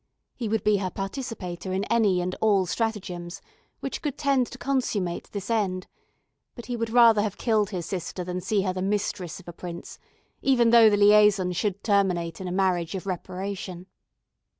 He would be her participator in any and all stratagems which could tend to consummate this end; but he would rather have killed his sister than see her the mistress of a prince, even though the liaison should terminate in a marriage of reparation.